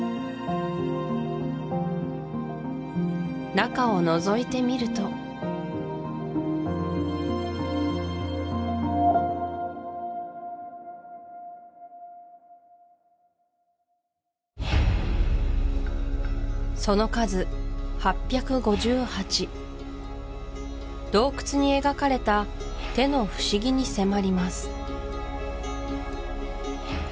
中をのぞいてみるとその数８５８洞窟に描かれた手の不思議に迫ります